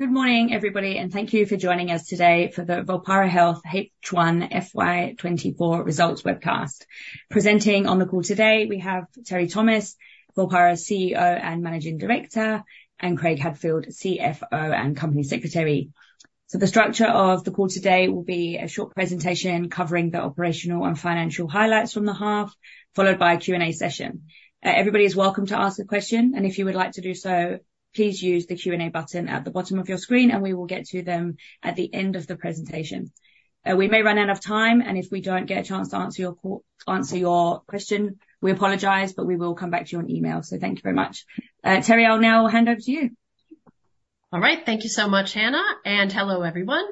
Good morning, everybody, and thank you for joining us today for the Volpara Health H1 FY 2024 results webcast. Presenting on the call today, we have Teri Thomas, Volpara's CEO and Managing Director, and Craig Hadfield, CFO and Company Secretary. So the structure of the call today will be a short presentation covering the operational and financial highlights from the half, followed by a Q&A session. Everybody is welcome to ask a question, and if you would like to do so, please use the Q&A button at the bottom of your screen, and we will get to them at the end of the presentation. We may run out of time, and if we don't get a chance to answer your question, we apologize, but we will come back to you on email. So thank you very much. Teri, I'll now hand over to you. All right. Thank you so much, Hannah, and hello, everyone.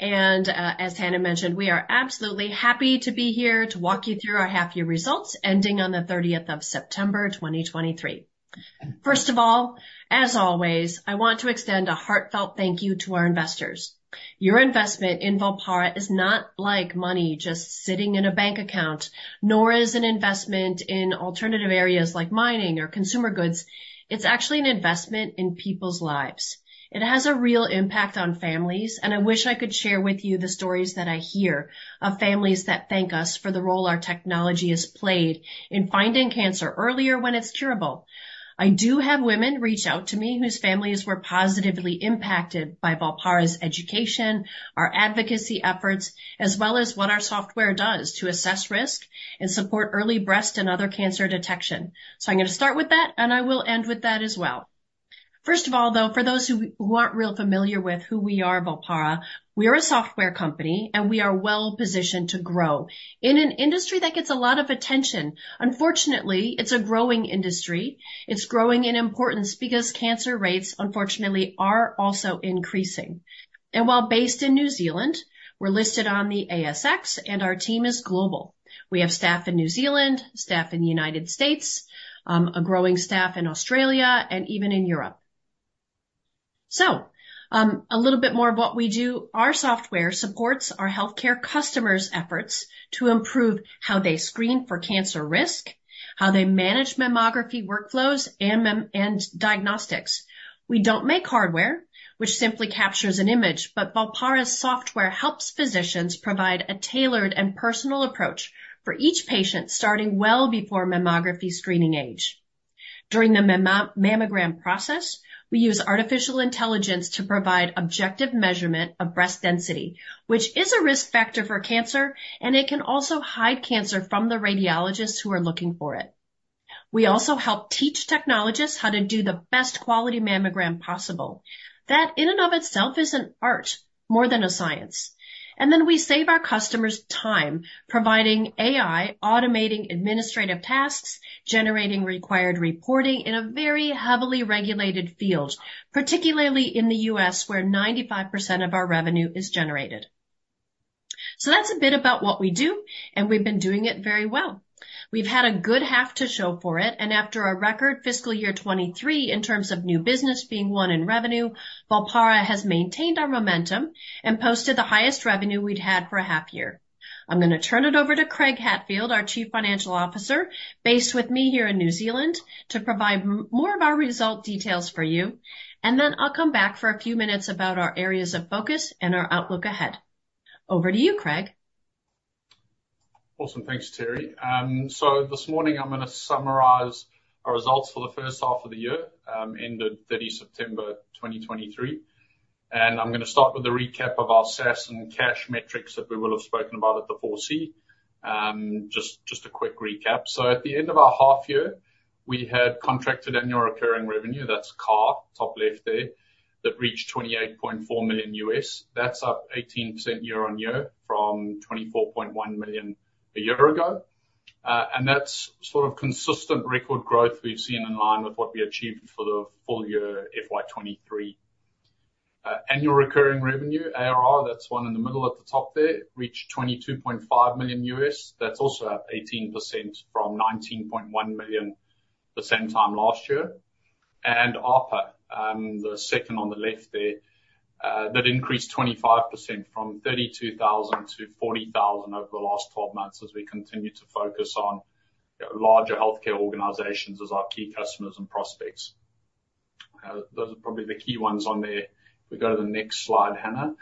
And, as Hannah mentioned, we are absolutely happy to be here to walk you through our half year results ending on the 30th of September 2023. First of all, as always, I want to extend a heartfelt thank you to our investors. Your investment in Volpara is not like money just sitting in a bank account, nor is an investment in alternative areas like mining or consumer goods. It's actually an investment in people's lives. It has a real impact on families, and I wish I could share with you the stories that I hear of families that thank us for the role our technology has played in finding cancer earlier when it's curable. I do have women reach out to me whose families were positively impacted by Volpara's education, our advocacy efforts, as well as what our software does to assess risk and support early breast and other cancer detection. So I'm gonna start with that, and I will end with that as well. First of all, though, for those who aren't real familiar with who we are, Volpara, we are a software company, and we are well positioned to grow. In an industry that gets a lot of attention. Unfortunately, it's a growing industry. It's growing in importance because cancer rates, unfortunately, are also increasing. And while based in New Zealand, we're listed on the ASX, and our team is global. We have staff in New Zealand, staff in the United States, a growing staff in Australia and even in Europe. So, a little bit more of what we do. Our software supports our healthcare customers' efforts to improve how they screen for cancer risk, how they manage mammography workflows, and diagnostics. We don't make hardware, which simply captures an image, but Volpara's software helps physicians provide a tailored and personal approach for each patient, starting well before mammography screening age. During the mammogram process, we use artificial intelligence to provide objective measurement of breast density, which is a risk factor for cancer, and it can also hide cancer from the radiologists who are looking for it. We also help teach technologists how to do the best quality mammogram possible. That, in and of itself, is an art more than a science. And then we save our customers time, providing AI, automating administrative tasks, generating required reporting in a very heavily regulated field, particularly in the US, where 95% of our revenue is generated. So that's a bit about what we do, and we've been doing it very well. We've had a good half to show for it, and after a record fiscal year 2023 in terms of new business being won in revenue, Volpara has maintained our momentum and posted the highest revenue we'd had for a half year. I'm gonna turn it over to Craig Hadfield, our Chief Financial Officer, based with me here in New Zealand, to provide more of our result details for you, and then I'll come back for a few minutes about our areas of focus and our outlook ahead. Over to you, Craig. Awesome. Thanks, Teri. So this morning, I'm gonna summarize our results for the first half of the year, ended 30 September 2023. And I'm gonna start with a recap of our SaaS and cash metrics that we will have spoken about at the 4C. Just, just a quick recap. So at the end of our half year, we had contracted annual recurring revenue, that's CARR, top left there, that reached $28.4 million. That's up 18% year-on-year from $24.1 million a year ago. And that's sort of consistent record growth we've seen in line with what we achieved for the full year, FY 2023. Annual recurring revenue, ARR, that's one in the middle at the top there, reached $22.5 million. That's also up 18% from $19.1 million the same time last year. And ARPA, the second on the left there, that increased 25% from $32,000 to $40,000 over the last 12 months, as we continue to focus on larger healthcare organizations as our key customers and prospects. Those are probably the key ones on there. If we go to the next slide, Hannah.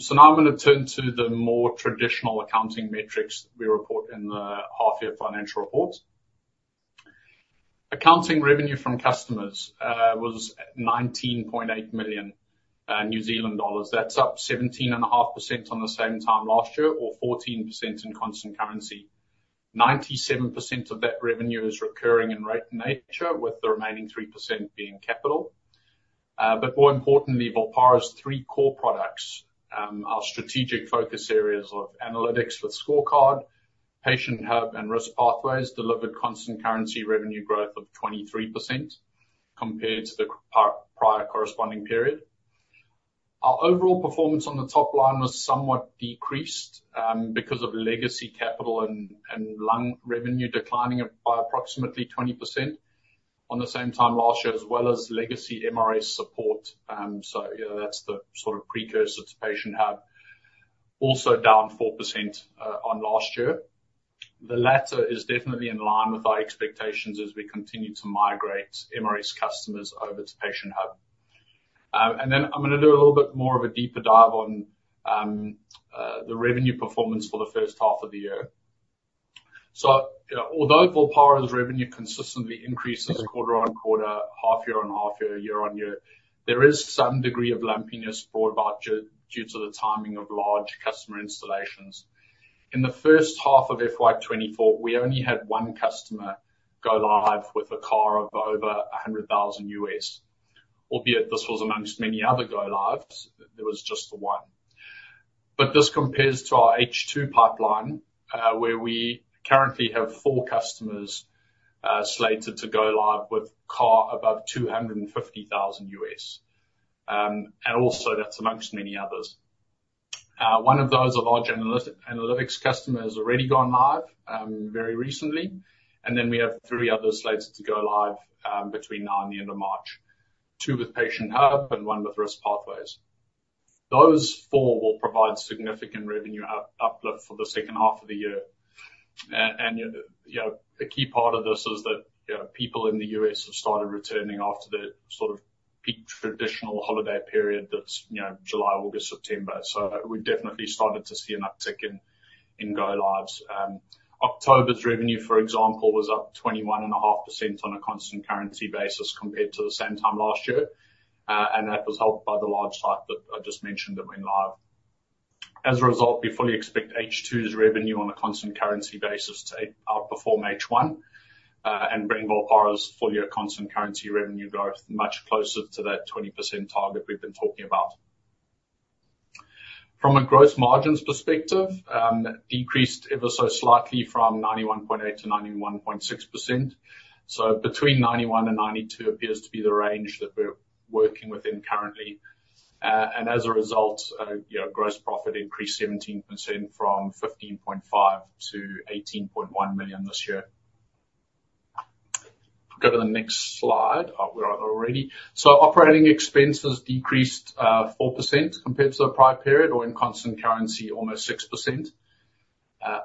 So now I'm gonna turn to the more traditional accounting metrics we report in the half year financial report. Accounting revenue from customers was 19.8 million New Zealand dollars. That's up 17.5% on the same time last year, or 14% in constant currency. 97% of that revenue is recurring in nature, with the remaining 3% being capital. But more importantly, Volpara's three core products, our strategic focus areas of analytics with Scorecard, Patient Hub, and Risk Pathways, delivered constant currency revenue growth of 23% compared to the prior corresponding period. Our overall performance on the top line was somewhat decreased, because of legacy capital and lung revenue declining by approximately 20% on the same time last year, as well as legacy MRA support. So, you know, that's the sort of precursor to Patient Hub, also down 4%, on last year. The latter is definitely in line with our expectations as we continue to migrate MRE's customers over to Patient Hub. And then I'm gonna do a little bit more of a deeper dive on the revenue performance for the first half of the year. So, you know, although Volpara's revenue consistently increases quarter-on-quarter, half-year on half-year, year-on-year, there is some degree of lumpiness brought about due to the timing of large customer installations. In the first half of FY 2024, we only had one customer go live with a CAR of over $100,000. Albeit this was amongst many other go lives, there was just the one. But this compares to our H2 pipeline, where we currently have four customers slated to go live with CAR above $250,000. And also that's amongst many others. One of those, a large analytics, analytics customer, has already gone live very recently, and then we have three others slated to go live between now and the end of March. Two with Patient Hub and one with Risk Pathways. Those four will provide significant revenue uplift for the second half of the year. And, you know, a key part of this is that, you know, people in the U.S. have started returning after the sort of peak traditional holiday period that's, you know, July, August, September. So we've definitely started to see an uptick in go lives. October's revenue, for example, was up 21.5% on a constant currency basis compared to the same time last year. And that was helped by the large site that I just mentioned that went live. As a result, we fully expect H2's revenue on a constant currency basis to outperform H1, and bring Volpara's full year constant currency revenue growth much closer to that 20% target we've been talking about. From a gross margins perspective, decreased ever so slightly from 91.8% to 91.6%. So between 91%-92% appears to be the range that we're working within currently. And as a result, you know, gross profit increased 17% from 15.5 million to 18.1 million this year. Go to the next slide. Oh, we are already. So operating expenses decreased 4% compared to the prior period, or in constant currency, almost 6%.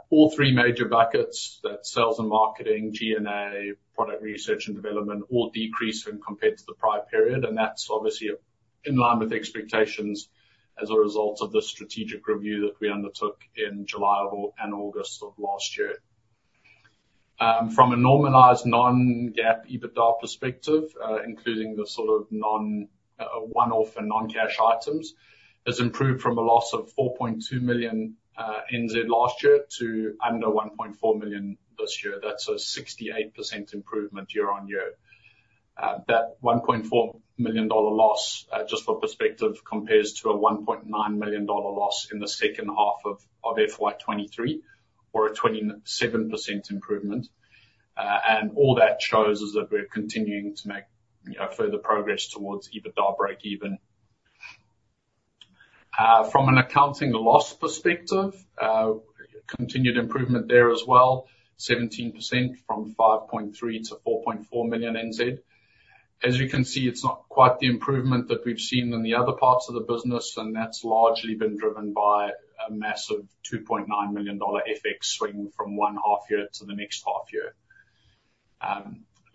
All three major buckets, that's sales and marketing, G&A, product research and development, all decreased when compared to the prior period, and that's obviously in line with expectations as a result of the strategic review that we undertook in July and August of last year. From a normalized non-GAAP EBITDA perspective, including the sort of non one-off and non-cash items, has improved from a loss of 4.2 million last year to under 1.4 million this year. That's a 68% improvement year-on-year. That 1.4 million dollar loss, just for perspective, compares to a 1.9 million dollar loss in the second half of FY 2023, or a 27% improvement. And all that shows is that we're continuing to make further progress towards EBITDA breakeven. From an accounting loss perspective, continued improvement there as well, 17% from 5.3 million-4.4 million. As you can see, it's not quite the improvement that we've seen in the other parts of the business, and that's largely been driven by a massive 2.9 million dollar FX swing from one half year to the next half year.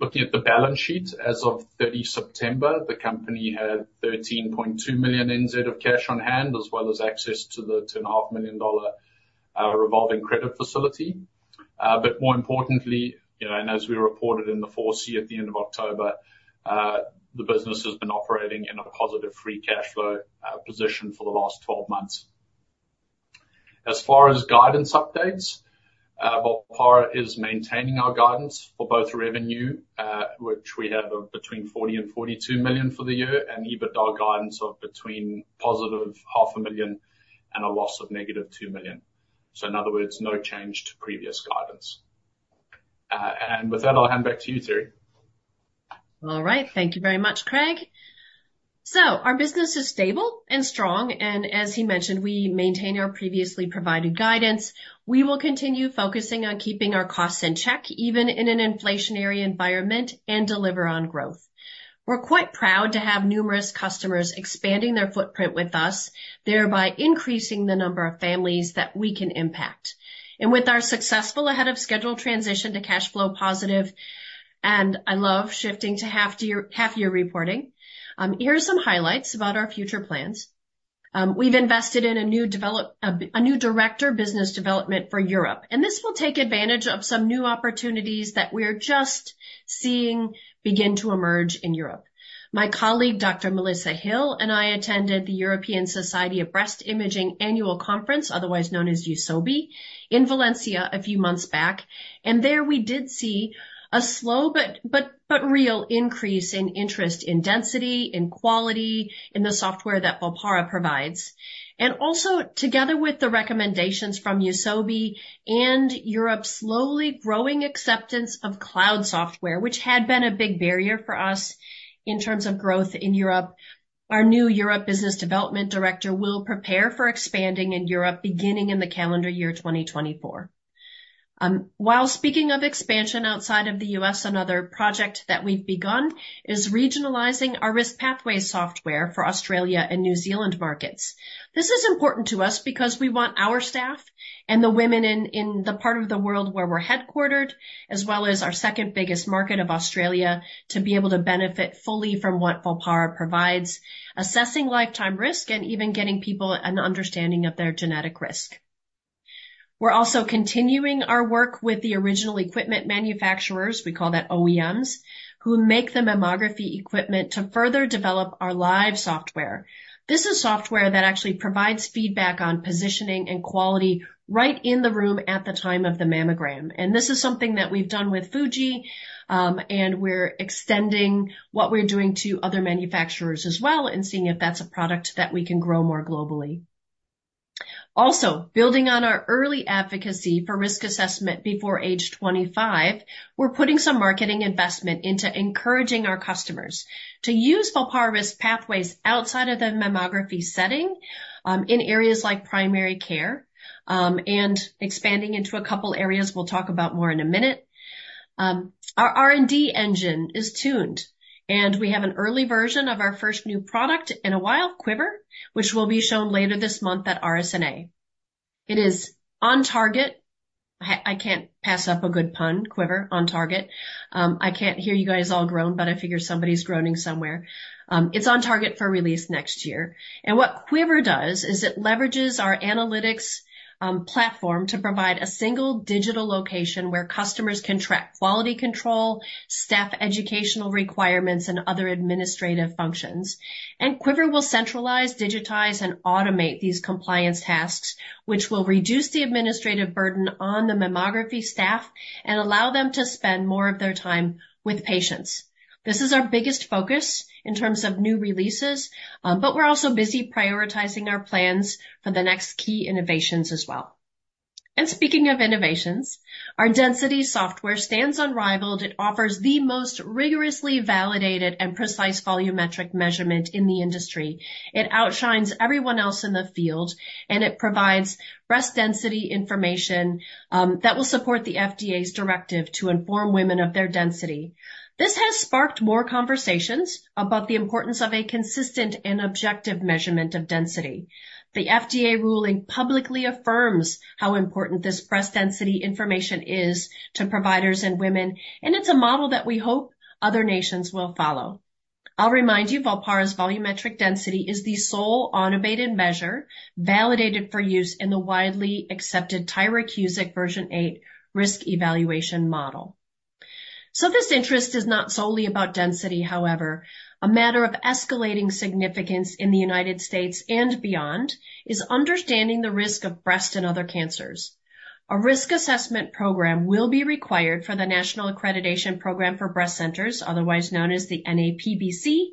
Looking at the balance sheet, as of 30 September, the company had 13.2 million of cash on hand, as well as access to the 2.5 million dollar revolving credit facility. But more importantly, you know, and as we reported in the 4C at the end of October, the business has been operating in a positive free cash flow position for the last 12 months. As far as guidance updates, Volpara is maintaining our guidance for both revenue, which we have between $40 million and $42 million for the year, and EBITDA guidance of between +$0.5 million and -$2 million. So in other words, no change to previous guidance. And with that, I'll hand back to you, Teri. All right. Thank you very much, Craig. So our business is stable and strong, and as he mentioned, we maintain our previously provided guidance. We will continue focusing on keeping our costs in check, even in an inflationary environment, and deliver on growth. We're quite proud to have numerous customers expanding their footprint with us, thereby increasing the number of families that we can impact. And with our successful ahead of scheduled transition to cash flow positive, and I love shifting to half year, half year reporting, here are some highlights about our future plans. We've invested in a new director of business development for Europe, and this will take advantage of some new opportunities that we're just seeing begin to emerge in Europe. My colleague, Dr. Melissa Hill, and I attended the European Society of Breast Imaging annual conference, otherwise known as EUSOBI, in Valencia a few months back, and there we did see a slow but real increase in interest in density, in quality, in the software that Volpara provides. Also together with the recommendations from EUSOBI and Europe's slowly growing acceptance of cloud software, which had been a big barrier for us in terms of growth in Europe, our new Europe business development director will prepare for expanding in Europe, beginning in the calendar year 2024. While speaking of expansion outside of the U.S., another project that we've begun is regionalizing our Risk Pathways software for Australia and New Zealand markets. This is important to us because we want our staff and the women in the part of the world where we're headquartered, as well as our second-biggest market of Australia, to be able to benefit fully from what Volpara provides, assessing lifetime risk and even getting people an understanding of their genetic risk. We're also continuing our work with the original equipment manufacturers, we call them OEMs, who make the mammography equipment to further develop our live software. This is software that actually provides feedback on positioning and quality right in the room at the time of the mammogram. And this is something that we've done with Fuji, and we're extending what we're doing to other manufacturers as well and seeing if that's a product that we can grow more globally. Also, building on our early advocacy for risk assessment before age 25, we're putting some marketing investment into encouraging our customers to use Volpara Risk Pathways outside of the mammography setting, in areas like primary care, and expanding into a couple of areas we'll talk about more in a minute. Our R&D engine is tuned, and we have an early version of our first new product in a while, Quiver, which will be shown later this month at RSNA. It is on target. I can't pass up a good pun, Quiver, on target. I can't hear you guys all groan, but I figure somebody's groaning somewhere. It's on target for release next year. And what Quiver does is it leverages our analytics platform to provide a single digital location where customers can track quality control, staff educational requirements, and other administrative functions. Quiver will centralize, digitize, and automate these compliance tasks, which will reduce the administrative burden on the mammography staff and allow them to spend more of their time with patients. This is our biggest focus in terms of new releases, but we're also busy prioritizing our plans for the next key innovations as well. Speaking of innovations, our density software stands unrivaled. It offers the most rigorously validated and precise volumetric measurement in the industry. It outshines everyone else in the field, and it provides breast density information that will support the FDA's directive to inform women of their density. This has sparked more conversations about the importance of a consistent and objective measurement of density. The FDA ruling publicly affirms how important this breast density information is to providers and women, and it's a model that we hope other nations will follow. I'll remind you, Volpara's volumetric density is the sole automated measure validated for use in the widely accepted Tyrer-Cuzick version 8 risk evaluation model. So this interest is not solely about density; however, a matter of escalating significance in the United States and beyond is understanding the risk of breast and other cancers. A risk assessment program will be required for the National Accreditation Program for Breast Centers, otherwise known as the NAPBC,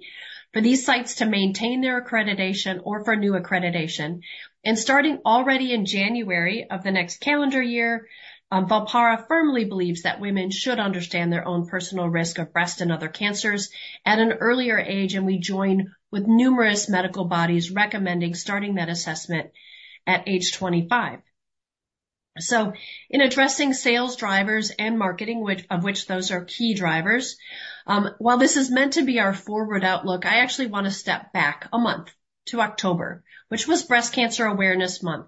for these sites to maintain their accreditation or for new accreditation. Starting already in January of the next calendar year, Volpara firmly believes that women should understand their own personal risk of breast and other cancers at an earlier age, and we join with numerous medical bodies recommending starting that assessment at age 25. So in addressing sales, drivers, and marketing, which of which those are key drivers, while this is meant to be our forward outlook, I actually want to step back a month to October, which was Breast Cancer Awareness Month.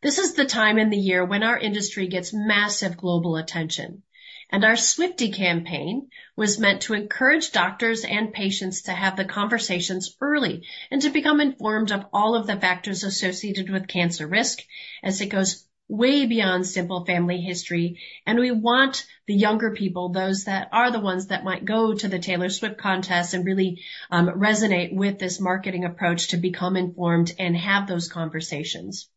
This is the time in the year when our industry gets massive global attention, and our Swiftie campaign was meant to encourage doctors and patients to have the conversations early and to become informed of all of the factors associated with cancer risk as it goes way beyond simple family history. We want the younger people, those that are the ones that might go to the Taylor Swift contest and really resonate with this marketing approach, to become informed and have those conversations.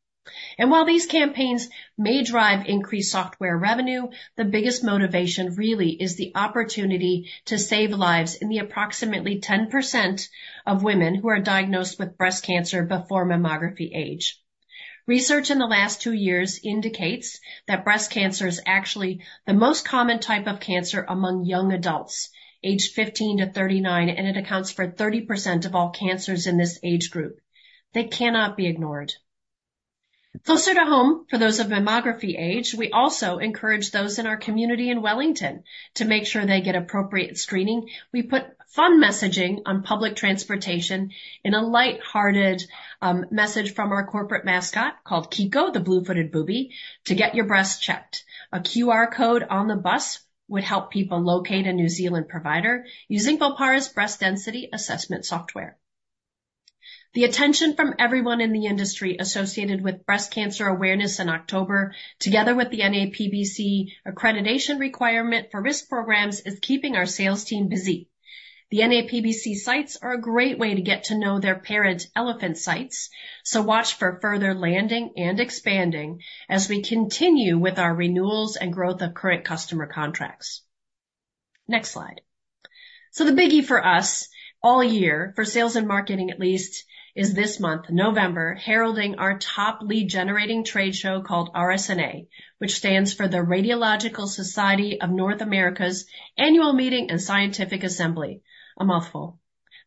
And while these campaigns may drive increased software revenue, the biggest motivation really is the opportunity to save lives in the approximately 10% of women who are diagnosed with breast cancer before mammography age. Research in the last two years indicates that breast cancer is actually the most common type of cancer among young adults aged 15 to 39, and it accounts for 30% of all cancers in this age group. They cannot be ignored. Closer to home, for those of mammography age, we also encourage those in our community in Wellington to make sure they get appropriate screening. We put fun messaging on public transportation in a lighthearted message from our corporate mascot, called Kiko, the blue-footed booby, to get your breasts checked. A QR code on the bus would help people locate a New Zealand provider using Volpara's breast density assessment software. The attention from everyone in the industry associated with Breast Cancer Awareness in October, together with the NAPBC accreditation requirement for risk programs, is keeping our sales team busy. The NAPBC sites are a great way to get to know their parent's elephant sites, so watch for further landing and expanding as we continue with our renewals and growth of current customer contracts. Next slide. So the biggie for us all year, for sales and marketing at least, is this month, November, heralding our top lead-generating trade show called RSNA, which stands for the Radiological Society of North America's Annual Meeting and Scientific Assembly. A mouthful...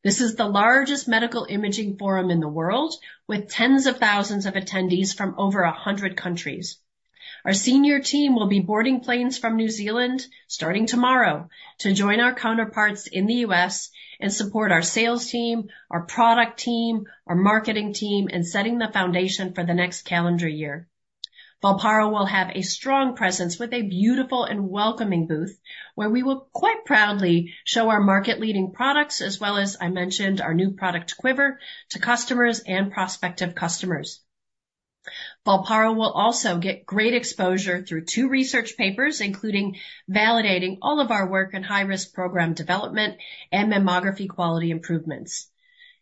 This is the largest medical imaging forum in the world, with tens of thousands of attendees from over 100 countries.4 Our senior team will be boarding planes from New Zealand starting tomorrow, to join our counterparts in the U.S. and support our sales team, our product team, our marketing team in setting the foundation for the next calendar year. Volpara will have a strong presence with a beautiful and welcoming booth, where we will quite proudly show our market-leading products as well as I mentioned, our new product, Quiver, to customers and prospective customers. Volpara will also get great exposure through two research papers, including validating all of our work in high-risk program development and mammography quality improvements.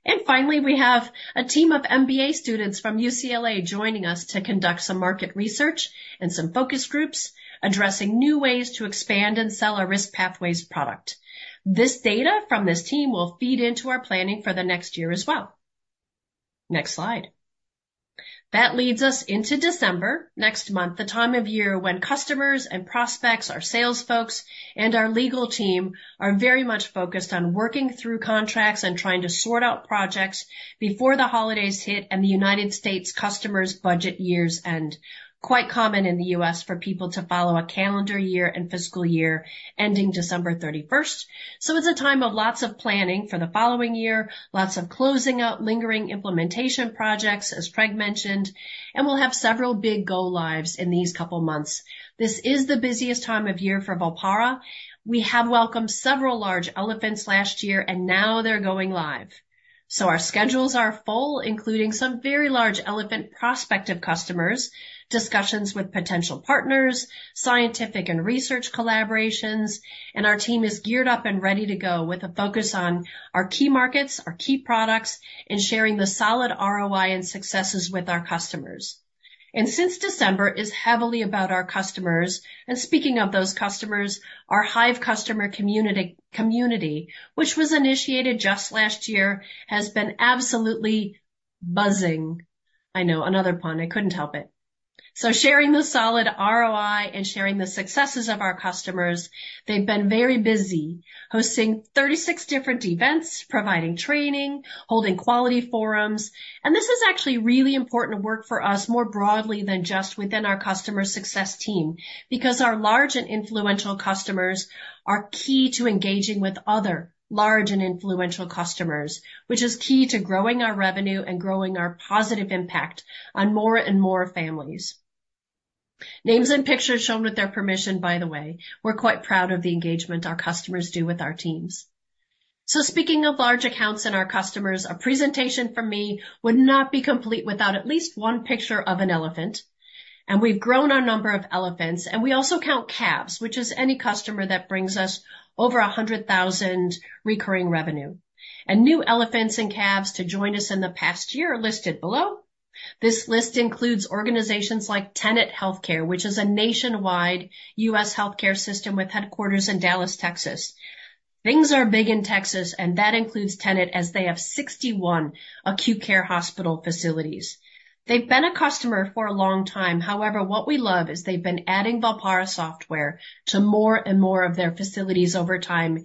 And finally, we have a team of MBA students from UCLA joining us to conduct some market research and some focus groups addressing new ways to expand and sell our Risk Pathways product. This data from this team will feed into our planning for the next year as well. Next slide. That leads us into December next month, the time of year when customers and prospects, our sales folks, and our legal team are very much focused on working through contracts and trying to sort out projects before the holidays hit and the United States customers' budget years end. Quite common in the U.S. for people to follow a calendar year and fiscal year ending December 31. It's a time of lots of planning for the following year, lots of closing out, lingering implementation projects, as Craig mentioned, and we'll have several big go lives in these couple months. This is the busiest time of year for Volpara. We have welcomed several large elephants last year, and now they're going live. So our schedules are full, including some very large elephant prospective customers, discussions with potential partners, scientific and research collaborations, and our team is geared up and ready to go with a focus on our key markets, our key products, and sharing the solid ROI and successes with our customers. Since December is heavily about our customers, and speaking of those customers, our Hive customer community, which was initiated just last year, has been absolutely buzzing. I know, another pun. I couldn't help it. So sharing the solid ROI and sharing the successes of our customers, they've been very busy hosting 36 different events, providing training, holding quality forums, and this is actually really important work for us more broadly than just within our customer success team. Because our large and influential customers are key to engaging with other large and influential customers, which is key to growing our revenue and growing our positive impact on more and more families. Names and pictures shown with their permission, by the way. We're quite proud of the engagement our customers do with our teams. Speaking of large accounts and our customers, a presentation from me would not be complete without at least one picture of an elephant, and we've grown our number of elephants, and we also count calves, which is any customer that brings us over 100,000 recurring revenue. New elephants and calves to join us in the past year are listed below. This list includes organizations like Tenet Healthcare, which is a nationwide U.S. healthcare system with headquarters in Dallas, Texas. Things are big in Texas, and that includes Tenet, as they have 61 acute care hospital facilities. They've been a customer for a long time. However, what we love is they've been adding Volpara software to more and more of their facilities over time,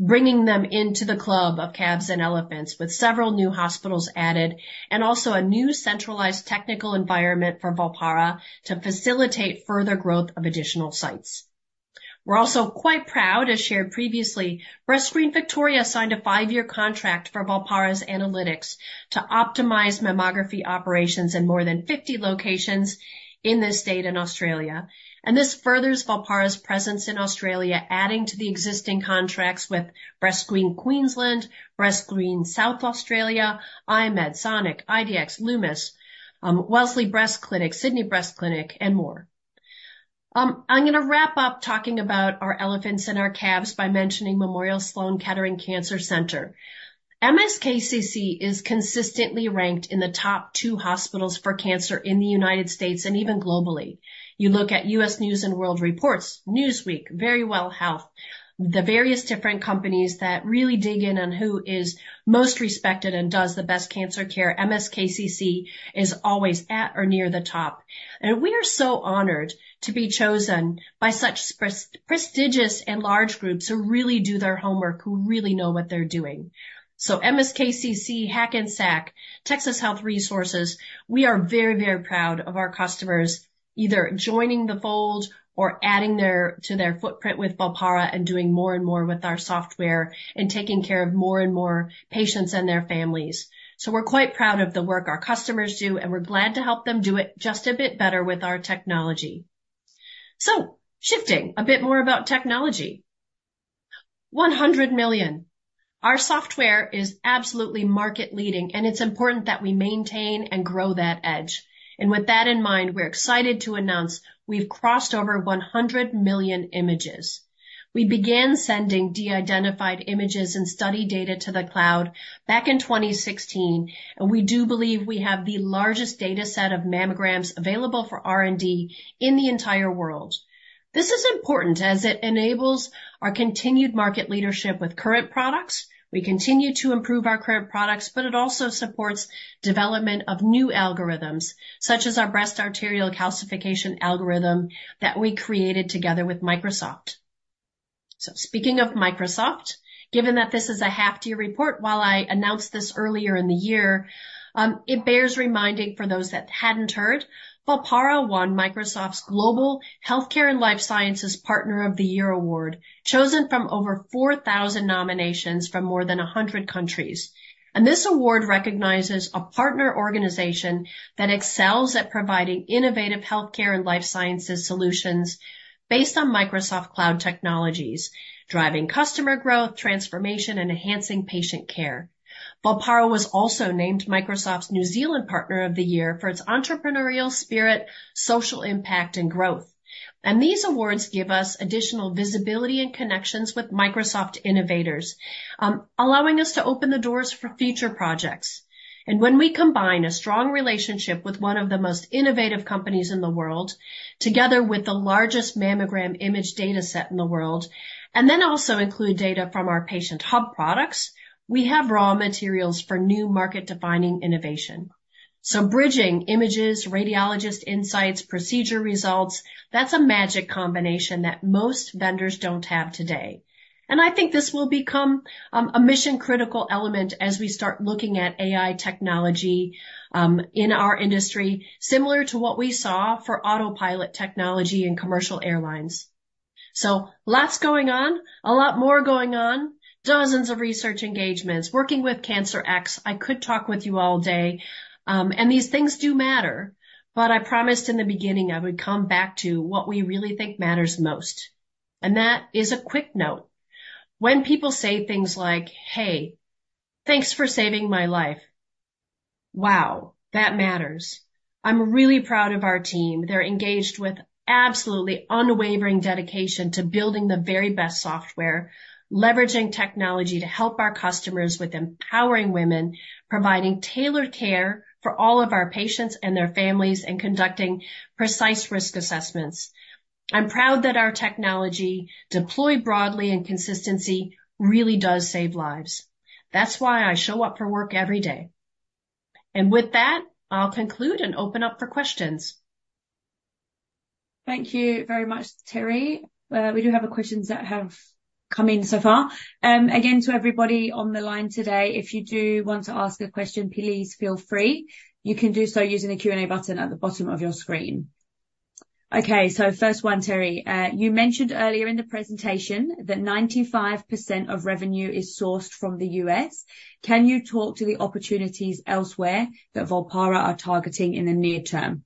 bringing them into the club of calves and elephants, with several new hospitals added, and also a new centralized technical environment for Volpara to facilitate further growth of additional sites. We're also quite proud, as shared previously, BreastScreen Victoria signed a 5-year contract for Volpara's analytics to optimize mammography operations in more than 50 locations in the state in Australia. And this furthers Volpara's presence in Australia, adding to the existing contracts with BreastScreen Queensland, BreastScreen South Australia, I-MED, Sonic, IDX, Lumus, Wellesley Breast Clinic, Sydney Breast Clinic, and more. I'm gonna wrap up talking about our elephants and our calves by mentioning Memorial Sloan Kettering Cancer Center. MSKCC is consistently ranked in the top two hospitals for cancer in the United States and even globally. You look at U.S. News & World Report, Newsweek, Verywell Health, the various different companies that really dig in on who is most respected and does the best cancer care, MSKCC is always at or near the top. And we are so honored to be chosen by such prestigious and large groups who really do their homework, who really know what they're doing. So MSKCC, Hackensack, Texas Health Resources, we are very, very proud of our customers, either joining the fold or adding their to their footprint with Volpara and doing more and more with our software and taking care of more and more patients and their families. So we're quite proud of the work our customers do, and we're glad to help them do it just a bit better with our technology. So, shifting a bit more about technology. 100 million. Our software is absolutely market-leading, and it's important that we maintain and grow that edge. And with that in mind, we're excited to announce we've crossed over 100 million images. We began sending de-identified images and study data to the cloud back in 2016, and we do believe we have the largest data set of mammograms available for R&D in the entire world. This is important as it enables our continued market leadership with current products. We continue to improve our current products, but it also supports development of new algorithms, such as our breast arterial calcification algorithm that we created together with Microsoft. So speaking of Microsoft, given that this is a half-year report, while I announced this earlier in the year, it bears reminding for those that hadn't heard. Volpara won Microsoft's Global Healthcare and Life Sciences Partner of the Year award, chosen from over 4,000 nominations from more than 100 countries. And this award recognizes a partner organization that excels at providing innovative healthcare and life sciences solutions based on Microsoft Cloud technologies, driving customer growth, transformation, and enhancing patient care. Volpara was also named Microsoft's New Zealand Partner of the Year for its entrepreneurial spirit, social impact, and growth. And these awards give us additional visibility and connections with Microsoft innovators, allowing us to open the doors for future projects. When we combine a strong relationship with one of the most innovative companies in the world, together with the largest mammogram image data set in the world, and then also include data from our patient hub products, we have raw materials for new market-defining innovation. So bridging images, radiologist insights, procedure results, that's a magic combination that most vendors don't have today. And I think this will become a mission-critical element as we start looking at AI technology in our industry, similar to what we saw for autopilot technology in commercial airlines. So lots going on, a lot more going on, dozens of research engagements, working with CancerX. I could talk with you all day, and these things do matter, but I promised in the beginning I would come back to what we really think matters most, and that is a quick note. When people say things like, "Hey, thanks for saving my life." Wow, that matters! I'm really proud of our team. They're engaged with absolutely unwavering dedication to building the very best software, leveraging technology to help our customers with empowering women, providing tailored care for all of our patients and their families, and conducting precise risk assessments. I'm proud that our technology, deployed broadly and consistently, really does save lives. That's why I show up for work every day. With that, I'll conclude and open up for questions. Thank you very much, Teri. We do have questions that have come in so far. Again, to everybody on the line today, if you do want to ask a question, please feel free. You can do so using the Q&A button at the bottom of your screen. Okay, so first one, Teri. You mentioned earlier in the presentation that 95% of revenue is sourced from the U.S. Can you talk to the opportunities elsewhere that Volpara are targeting in the near term?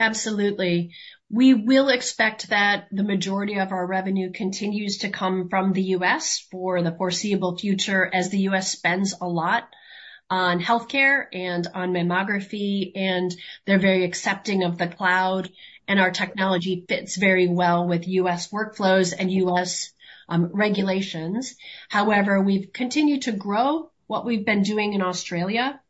Absolutely. We will expect that the majority of our revenue continues to come from the US for the foreseeable future, as the US spends a lot on healthcare and on mammography, and they're very accepting of the cloud, and our technology fits very well with US workflows and US regulations. However, we've continued to grow what we've been doing in Australia,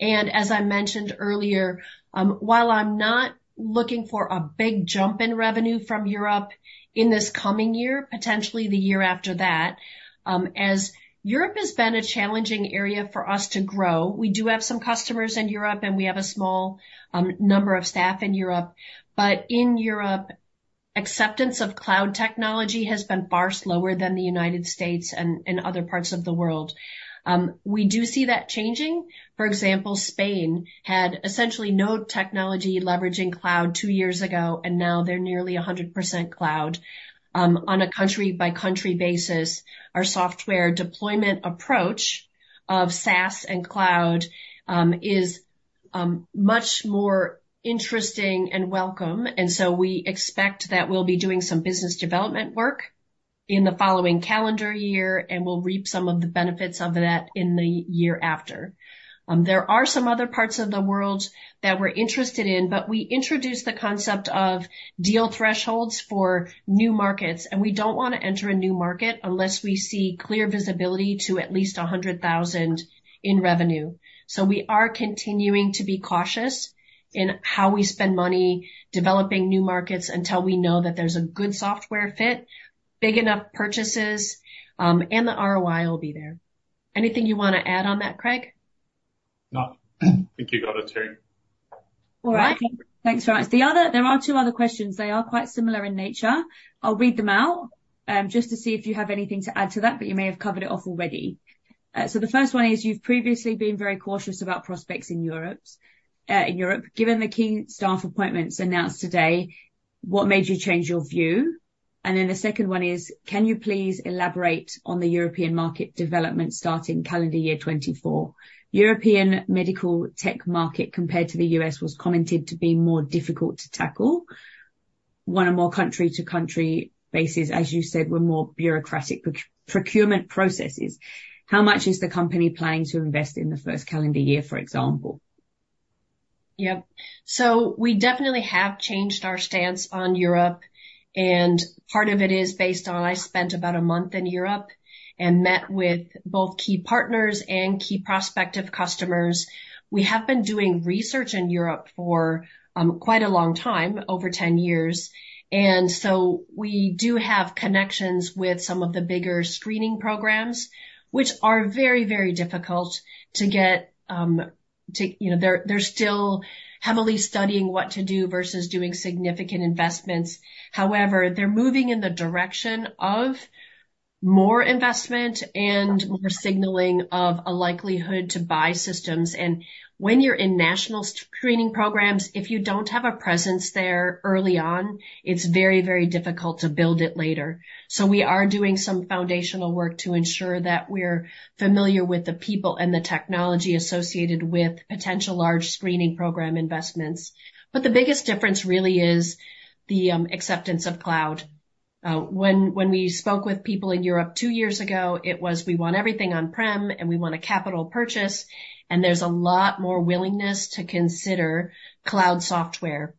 and as I mentioned earlier, while I'm not looking for a big jump in revenue from Europe in this coming year, potentially the year after that, as Europe has been a challenging area for us to grow. We do have some customers in Europe, and we have a small number of staff in Europe, but in Europe, acceptance of cloud technology has been far slower than the United States and other parts of the world. We do see that changing. For example, Spain had essentially no technology leveraging cloud two years ago, and now they're nearly 100% cloud. On a country-by-country basis, our software deployment approach of SaaS and cloud is much more interesting and welcome, and so we expect that we'll be doing some business development work in the following calendar year, and we'll reap some of the benefits of that in the year after. There are some other parts of the world that we're interested in, but we introduced the concept of deal thresholds for new markets, and we don't want to enter a new market unless we see clear visibility to at least $100,000 in revenue. So we are continuing to be cautious in how we spend money developing new markets until we know that there's a good software fit, big enough purchases, and the ROI will be there. Anything you want to add on that, Craig? No. I think you got it, Teri. All right. Thanks very much. There are two other questions. They are quite similar in nature. I'll read them out, just to see if you have anything to add to that, but you may have covered it off already. So the first one is: You've previously been very cautious about prospects in Europe, in Europe. Given the key staff appointments announced today, what made you change your view? And then the second one is: Can you please elaborate on the European market development starting calendar year 2024? European medical tech market, compared to the U.S., was commented to be more difficult to tackle. One or more country-to-country bases, as you said, were more bureaucratic procurement processes. How much is the company planning to invest in the first calendar year, for example? Yep. So we definitely have changed our stance on Europe, and part of it is based on, I spent about a month in Europe and met with both key partners and key prospective customers. We have been doing research in Europe for quite a long time, over 10 years, and so we do have connections with some of the bigger screening programs, which are very, very difficult to get, to, you know, they're, they're still heavily studying what to do versus doing significant investments. However, they're moving in the direction of more investment and more signaling of a likelihood to buy systems. And when you're in national screening programs, if you don't have a presence there early on, it's very, very difficult to build it later. So we are doing some foundational work to ensure that we're familiar with the people and the technology associated with potential large screening program investments. But the biggest difference really is the acceptance of cloud. When we spoke with people in Europe two years ago, it was, "We want everything on-prem, and we want a capital purchase," and there's a lot more willingness to consider cloud software.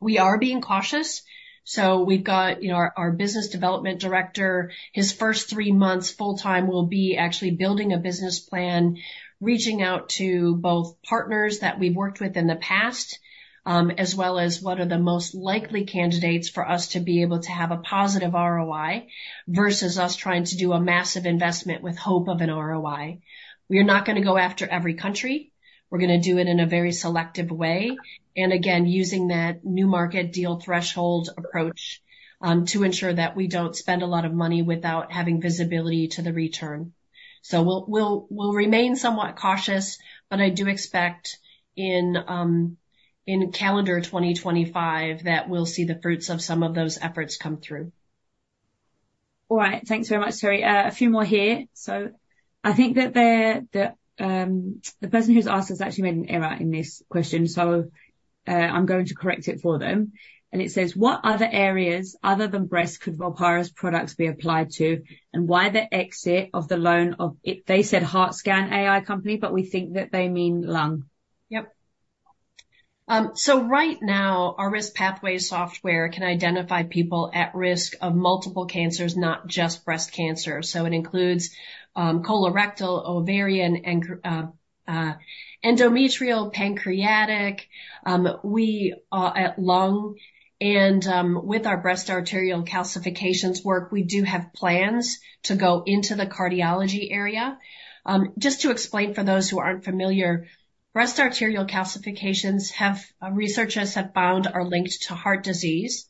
We are being cautious, so we've got, you know, our business development director, his first three months full time will be actually building a business plan, reaching out to both partners that we've worked with in the past, as well as what are the most likely candidates for us to be able to have a positive ROI versus us trying to do a massive investment with hope of an ROI. We are not gonna go after every country. We're gonna do it in a very selective way, and again, using that new market deal threshold approach, to ensure that we don't spend a lot of money without having visibility to the return. So we'll remain somewhat cautious, but I do expect in calendar 2025, that we'll see the fruits of some of those efforts come through. All right. Thanks very much, Teri. A few more here. So I think that the person who's asked has actually made an error in this question, so I'm going to correct it for them. It says: What other areas other than breast could Volpara's products be applied to? And why the exit of the loan of... They said heart scan AI company, but we think that they mean lung. Yep. So right now, our risk pathway software can identify people at risk of multiple cancers, not just breast cancer. So it includes colorectal, ovarian, and endometrial, pancreatic. We add lung and, with our breast arterial calcifications work, we do have plans to go into the cardiology area. Just to explain for those who aren't familiar, breast arterial calcifications, researchers have found, are linked to heart disease.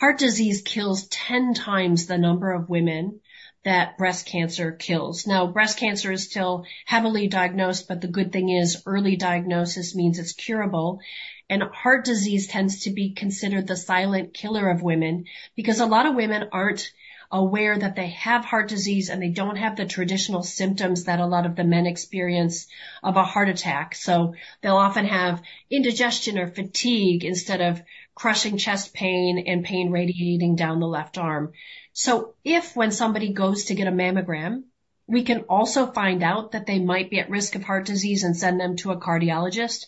Heart disease kills 10 times the number of women that breast cancer kills. Now, breast cancer is still heavily diagnosed, but the good thing is early diagnosis means it's curable, and heart disease tends to be considered the silent killer of women because a lot of women aren't aware that they have heart disease, and they don't have the traditional symptoms that a lot of the men experience of a heart attack. So they'll often have indigestion or fatigue instead of crushing chest pain and pain radiating down the left arm. So if when somebody goes to get a mammogram, we can also find out that they might be at risk of heart disease and send them to a cardiologist,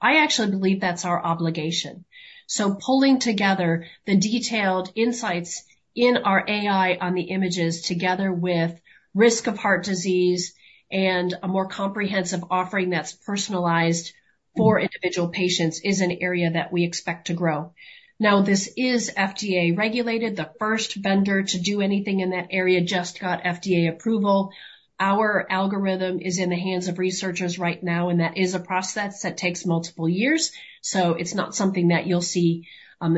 I actually believe that's our obligation. So pulling together the detailed insights in our AI on the images, together with risk of heart disease and a more comprehensive offering that's personalized for individual patients, is an area that we expect to grow. Now, this is FDA-regulated. The first vendor to do anything in that area just got FDA approval. Our algorithm is in the hands of researchers right now, and that is a process that takes multiple years, so it's not something that you'll see,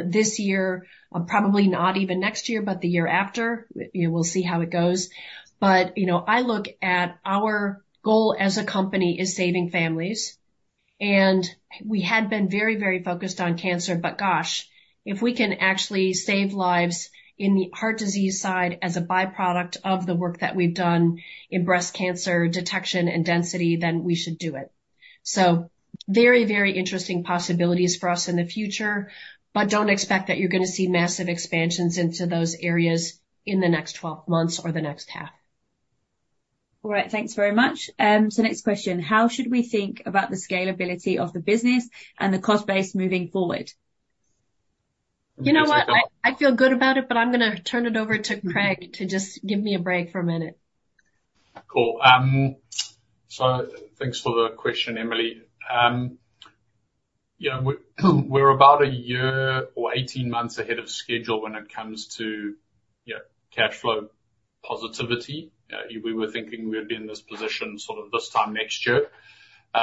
this year, or probably not even next year, but the year after. We'll see how it goes. But, you know, I look at our goal as a company is saving families, and we had been very, very focused on cancer. But gosh, if we can actually save lives in the heart disease side as a byproduct of the work that we've done in breast cancer detection and density, then we should do it. So very, very interesting possibilities for us in the future, but don't expect that you're gonna see massive expansions into those areas in the next 12 months or the next half. All right. Thanks very much. Next question: How should we think about the scalability of the business and the cost base moving forward? You know what? I, I feel good about it, but I'm gonna turn it over to Craig to just give me a break for a minute. Cool. So thanks for the question, Emily. You know, we're, we're about a year or 18 months ahead of schedule when it comes to, you know, cash flow positivity. We were thinking we'd be in this position sort of this time next year.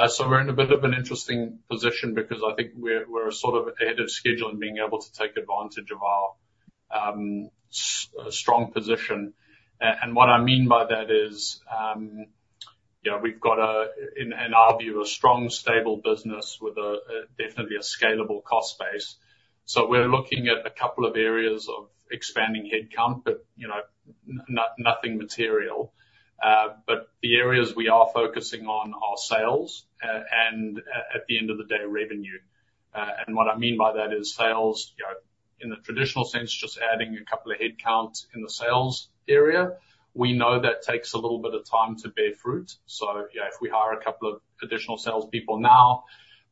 So we're in a bit of an interesting position because I think we're, we're sort of ahead of schedule in being able to take advantage of our, strong position. And what I mean by that is, you know, we've got a, in, in our view, a strong, stable business with a, a, definitely a scalable cost base. So we're looking at a couple of areas of expanding headcount, but, you know, not, nothing material. But the areas we are focusing on are sales, and at, at the end of the day, revenue. And what I mean by that is sales, you know, in the traditional sense, just adding a couple of headcounts in the sales area. We know that takes a little bit of time to bear fruit, so yeah, if we hire a couple of additional salespeople now,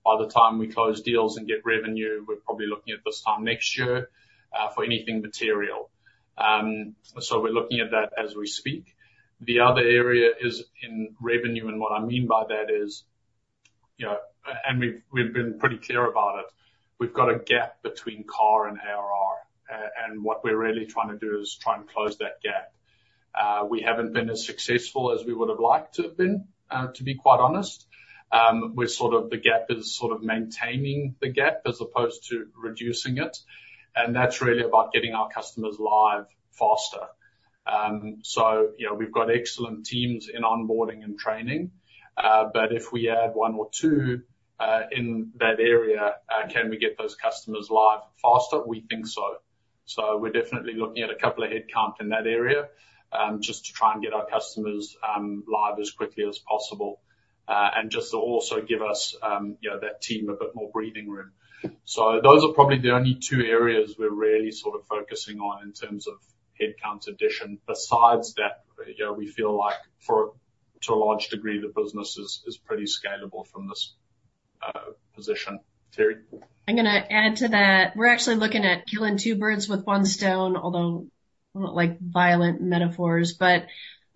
by the time we close deals and get revenue, we're probably looking at this time next year for anything material. So we're looking at that as we speak. The other area is in revenue, and what I mean by that is, you know, and we've been pretty clear about it. We've got a gap between CARR and ARR... and what we're really trying to do is try and close that gap. We haven't been as successful as we would have liked to have been, to be quite honest. We're sort of, the gap is sort of maintaining the gap as opposed to reducing it, and that's really about getting our customers live faster. So, you know, we've got excellent teams in onboarding and training, but if we add one or two, in that area, can we get those customers live faster? We think so. So we're definitely looking at a couple of headcount in that area, just to try and get our customers, live as quickly as possible, and just to also give us, you know, that team a bit more breathing room. So those are probably the only two areas we're really sort of focusing on in terms of headcount addition. Besides that, you know, we feel like for, to a large degree, the business is pretty scalable from this, position. Teri? I'm gonna add to that. We're actually looking at killing two birds with one stone, although I don't like violent metaphors, but,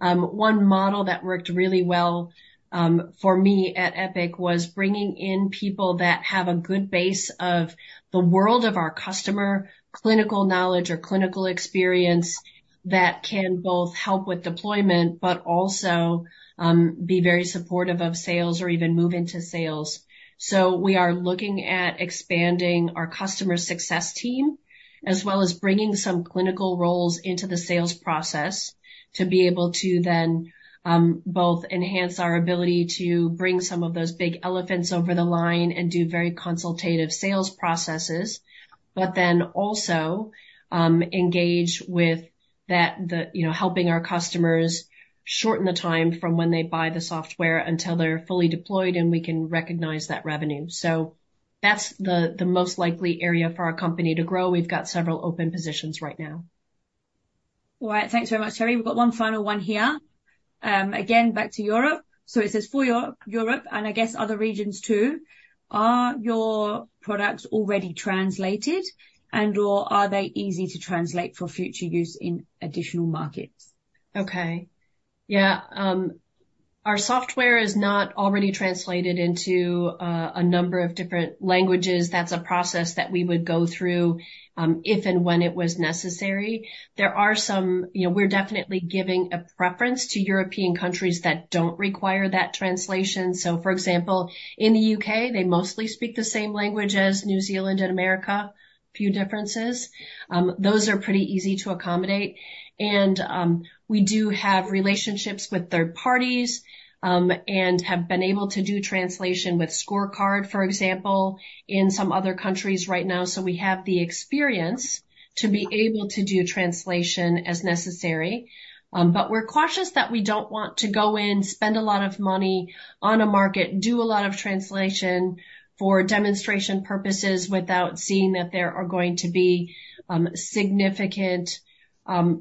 one model that worked really well, for me at Epic was bringing in people that have a good base of the world of our customer, clinical knowledge or clinical experience, that can both help with deployment, but also, be very supportive of sales or even move into sales. So we are looking at expanding our customer success team, as well as bringing some clinical roles into the sales process, to be able to then, both enhance our ability to bring some of those big elephants over the line and do very consultative sales processes, but then also, engage with that, the... You know, helping our customers shorten the time from when they buy the software until they're fully deployed, and we can recognize that revenue. So that's the most likely area for our company to grow. We've got several open positions right now. All right. Thanks very much, Teri. We've got one final one here. Again, back to Europe. So it says: For Europe, Europe, and I guess other regions too, are your products already translated and/or are they easy to translate for future use in additional markets? Okay. Yeah, our software is not already translated into a number of different languages. That's a process that we would go through if and when it was necessary. There are some... You know, we're definitely giving a preference to European countries that don't require that translation. So for example, in the UK, they mostly speak the same language as New Zealand and America, few differences. Those are pretty easy to accommodate, and we do have relationships with third parties and have been able to do translation with Scorecard, for example, in some other countries right now. So we have the experience to be able to do translation as necessary. But we're cautious that we don't want to go in, spend a lot of money on a market, do a lot of translation for demonstration purposes, without seeing that there are going to be significant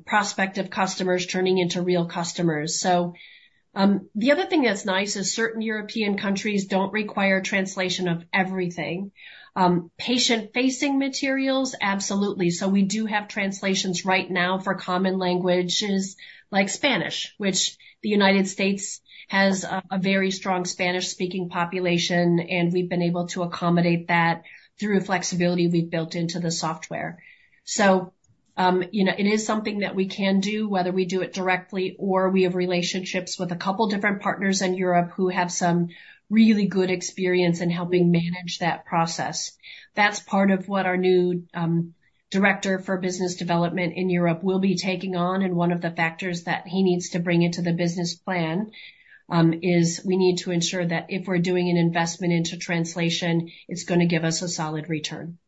prospective customers turning into real customers. So, the other thing that's nice is certain European countries don't require translation of everything. Patient-facing materials, absolutely. So we do have translations right now for common languages like Spanish, which the United States has a very strong Spanish-speaking population, and we've been able to accommodate that through flexibility we've built into the software. So, you know, it is something that we can do, whether we do it directly or we have relationships with a couple of different partners in Europe who have some really good experience in helping manage that process. That's part of what our new director for business development in Europe will be taking on, and one of the factors that he needs to bring into the business plan is we need to ensure that if we're doing an investment into translation, it's gonna give us a solid return.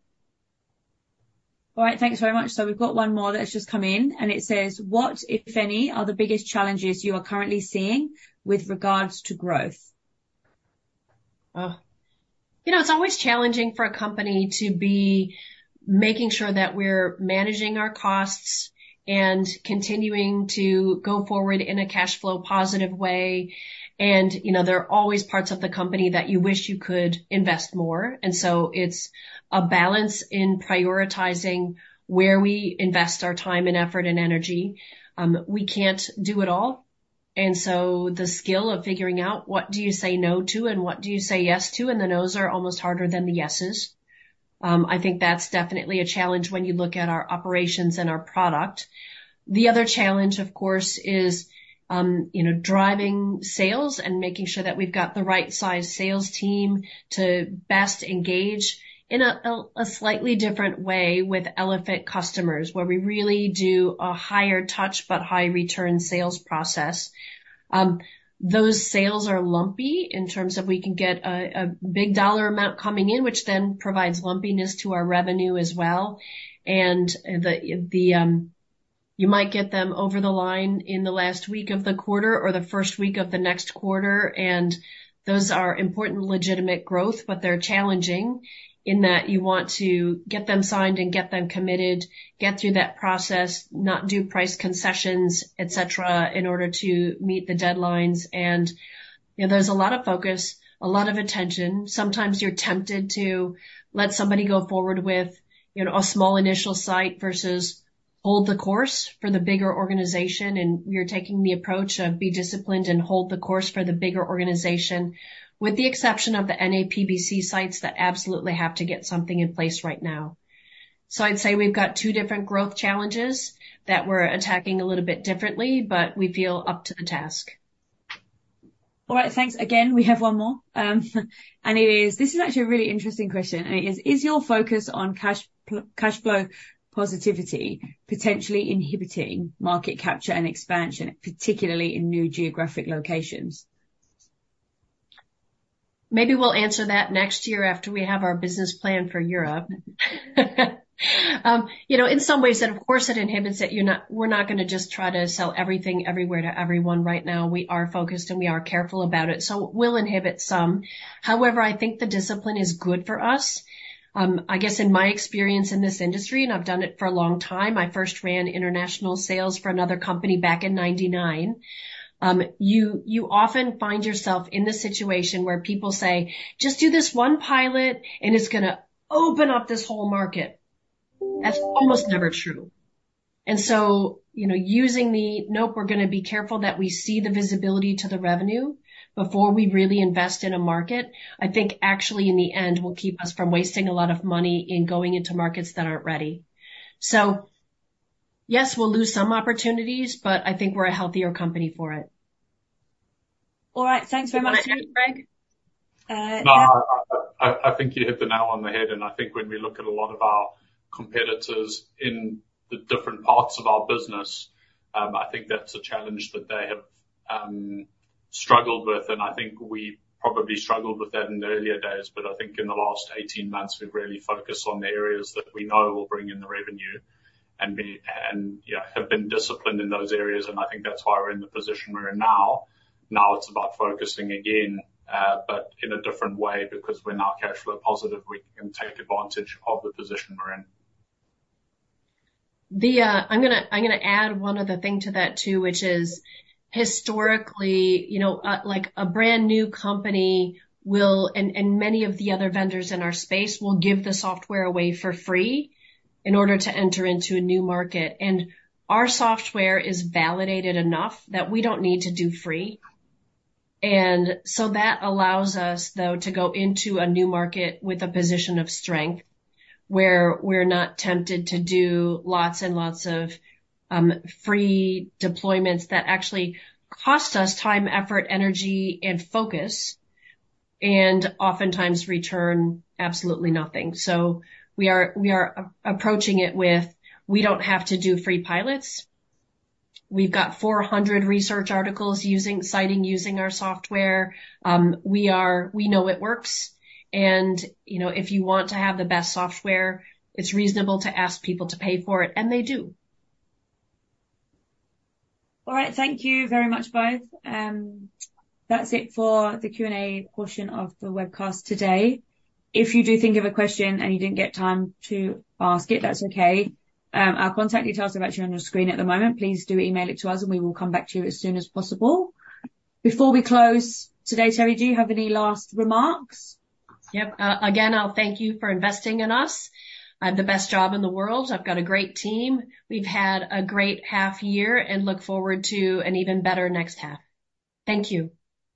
All right, thanks very much. So we've got one more that has just come in, and it says: What, if any, are the biggest challenges you are currently seeing with regards to growth? Oh, you know, it's always challenging for a company to be making sure that we're managing our costs and continuing to go forward in a cash flow positive way, and, you know, there are always parts of the company that you wish you could invest more. So it's a balance in prioritizing where we invest our time and effort and energy. We can't do it all, and so the skill of figuring out what do you say no to and what do you say yes to, and the nos are almost harder than the yeses. I think that's definitely a challenge when you look at our operations and our product. The other challenge, of course, is, you know, driving sales and making sure that we've got the right size sales team to best engage in a slightly different way with elephant customers, where we really do a higher touch but high return sales process. Those sales are lumpy in terms of we can get a big dollar amount coming in, which then provides lumpiness to our revenue as well, and you might get them over the line in the last week of the quarter or the first week of the next quarter, and those are important, legitimate growth. But they're challenging in that you want to get them signed and get them committed, get through that process, not do price concessions, et cetera, in order to meet the deadlines. And, you know, there's a lot of focus, a lot of attention. Sometimes you're tempted to let somebody go forward with, you know, a small initial site versus hold the course for the bigger organization, and we are taking the approach of be disciplined and hold the course for the bigger organization, with the exception of the NAPBC sites that absolutely have to get something in place right now. So I'd say we've got two different growth challenges that we're attacking a little bit differently, but we feel up to the task. All right, thanks again. We have one more. And it is: This is actually a really interesting question, and it is: Is your focus on cash flow positivity potentially inhibiting market capture and expansion, particularly in new geographic locations? Maybe we'll answer that next year after we have our business plan for Europe. You know, in some ways, then of course, it inhibits it. You're not—we're not gonna just try to sell everything everywhere to everyone right now. We are focused, and we are careful about it, so it will inhibit some. However, I think the discipline is good for us. I guess in my experience in this industry, and I've done it for a long time, I first ran international sales for another company back in 1999. You often find yourself in the situation where people say, "Just do this one pilot, and it's gonna open up this whole market." That's almost never true. And so, you know, using the, "Nope, we're gonna be careful that we see the visibility to the revenue before we really invest in a market," I think actually, in the end, will keep us from wasting a lot of money in going into markets that aren't ready. So yes, we'll lose some opportunities, but I think we're a healthier company for it. All right. Thanks very much. Craig? Uh- No, I think you hit the nail on the head, and I think when we look at a lot of our competitors in the different parts of our business, I think that's a challenge that they have struggled with, and I think we probably struggled with that in the earlier days. But I think in the last 18 months, we've really focused on the areas that we know will bring in the revenue and have been disciplined in those areas, and I think that's why we're in the position we're in now. Now it's about focusing again, but in a different way, because we're now cash flow positive, we can take advantage of the position we're in. I'm gonna add one other thing to that, too, which is historically, you know, like, a brand-new company will, and many of the other vendors in our space, will give the software away for free in order to enter into a new market. And our software is validated enough that we don't need to do free. And so that allows us, though, to go into a new market with a position of strength, where we're not tempted to do lots and lots of free deployments that actually cost us time, effort, energy, and focus, and oftentimes return absolutely nothing. So we are approaching it with, we don't have to do free pilots. We've got 400 research articles citing, using our software. We know it works. You know, if you want to have the best software, it's reasonable to ask people to pay for it, and they do. All right. Thank you very much, both. That's it for the Q&A portion of the webcast today. If you do think of a question and you didn't get time to ask it, that's okay. Our contact details are actually on your screen at the moment. Please do email it to us, and we will come back to you as soon as possible. Before we close today, Teri, do you have any last remarks? Yep. Again, I'll thank you for investing in us. I have the best job in the world. I've got a great team. We've had a great half year and look forward to an even better next half. Thank you!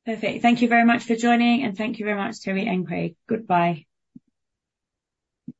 Perfect. Thank you very much for joining, and thank you very much, Teri and Craig. Goodbye.